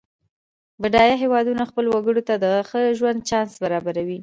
بډایه هېوادونه خپلو وګړو ته د ښه ژوند چانس برابروي.